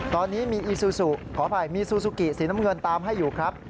ตอนนี้มีอีซูซูขออภัยมีซูซูกิสีน้ำเงินตามให้อยู่ครับ